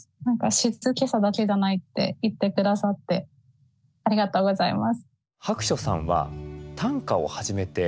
静けさだけじゃないって言って下さってありがとうございます。